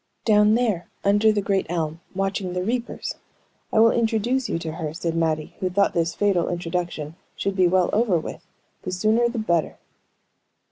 "Down there under the great elm, watching the reapers. I will introduce you to her," said Mattie, who thought this fatal introduction should be well over with, the sooner the better.